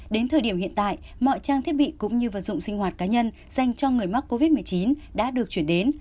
đến thời điểm hiện tại mọi trang thiết bị cũng như vật dụng sinh hoạt cá nhân dành cho người mắc covid một mươi chín đã được chuyển đến